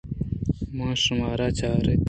من شُمارا چار اِت۔